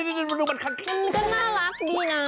หน่าลักดีนะ